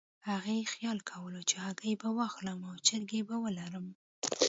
هغې خیال کولو چې هګۍ به واخلم او چرګې به ولرم.